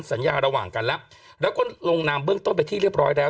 สัญญาระหว่างกันแล้วแล้วก็ลงนามเบื้องต้นไปที่เรียบร้อยแล้ว